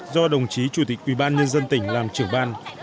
do đồng chí chủ tịch ủy ban nhân dân tỉnh làm trưởng ban